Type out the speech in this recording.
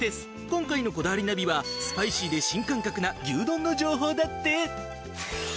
今回の『こだわりナビ』はスパイシーで新感覚な牛丼の情報だって！